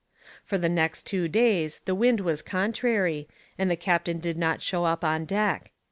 For the next two days the wind was contrary, and the captain did not show up on deck.